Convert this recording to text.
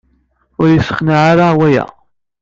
Ur iyi-yesseqneɛ ara waya.